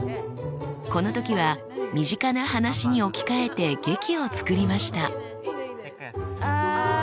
この時は身近な話に置き換えて劇を作りました。